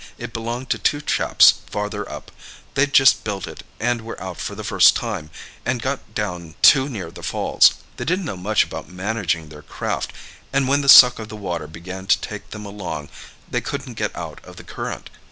"It belonged to two chaps farther up—they'd just built it, and were out for the first time, and got down too near the falls. They didn't know much about managing their craft, and when the suck of the water began to take them along they couldn't get out of the current.